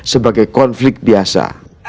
sebagai konflik biasa